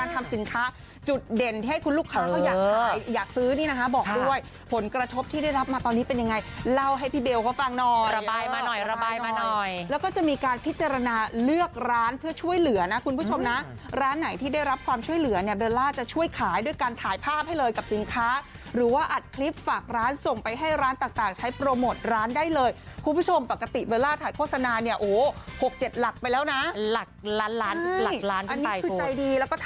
ทำสินค้าจุดเด่นที่ให้คุณลูกค้าเขาอยากขายอยากซื้อนี่นะคะบอกด้วยผลกระทบที่ได้รับมาตอนนี้เป็นยังไงเล่าให้พี่เบลเขาฟังนอนระบายมาหน่อยระบายมาหน่อยแล้วก็จะมีการพิจารณาเลือกร้านเพื่อช่วยเหลือนะคุณผู้ชมน่ะร้านไหนที่ได้รับความช่วยเหลือเนี่ยเบลล่าจะช่วยขายด้วยการถ่ายภาพให้เลยกับสินค้าหรือว่าอัดคลิปฝ